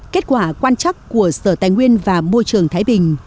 kết quả quan chắc của sở tài nguyên và môi trường thái bình